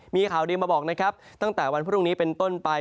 มีข่าวดีมาบอกนะครับตั้งแต่วันพรุ่งนี้เป็นต้นไป